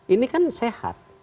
ini kan sehat